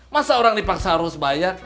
masa orang dipaksa harus bayar